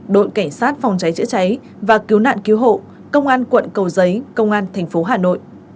đội cảnh sát phòng cháy chữa cháy và cứu nạn cứu hộ công an quận cầu giấy công an tp hà nội